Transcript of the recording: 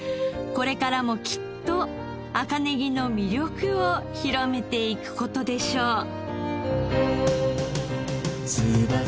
これからもきっと赤ネギの魅力を広めていく事でしょう。